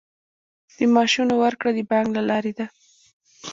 د معاشونو ورکړه د بانک له لارې ده